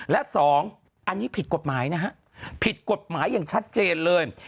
และสองอันนี้ผิดกฎหมายนะฮะผิดกฎหมายอย่างชัดเจนเลย